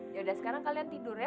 yaudah sekarang kalian tidur ya